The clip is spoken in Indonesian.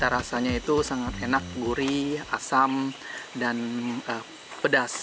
rasanya itu sangat enak gurih asam dan pedas